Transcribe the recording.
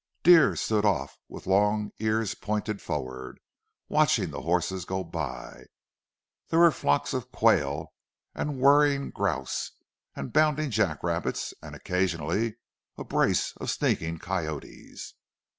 Deer stood off with long ears pointed forward, watching the horses go by. There were flocks of quail, and whirring grouse, and bounding jack rabbits, and occasionally a brace of sneaking coyotes.